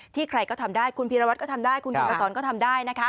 ที่ใครก็ทำได้คุณพีรวัตรก็ทำได้คุณหุ่นอสรก็ทำได้